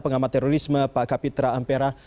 pengamat terorisme pak kapitra ampera